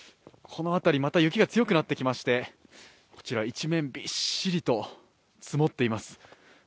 この辺り、また雪が強くなってきまして、こちら一面びっしりと積もっています。